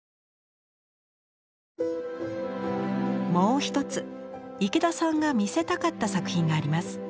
もう一つ池田さんが見せたかった作品があります。